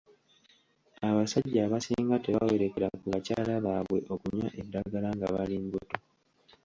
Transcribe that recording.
Abasajja abasinga tebawerekera ku bakyala baabwe okunywa eddagala nga bali mbuto.